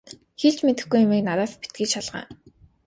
Хэлж мэдэхгүй юмыг надаас битгий шалгаа.